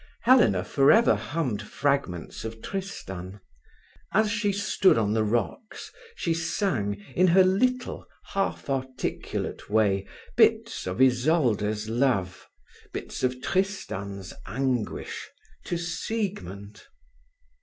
Helena for ever hummed fragments of Tristan. As she stood on the rocks she sang, in her little, half articulate way, bits of Isolde's love, bits of Tristan's anguish, to Siegmund.